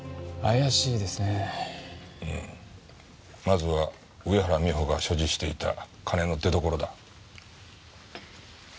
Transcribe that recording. まずは上原美帆が所持していた金の出所だ。